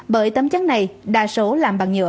bởi tấm trắng này đa số làm bằng nhựa